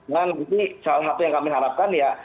dan ini salah satu yang kami harapkan ya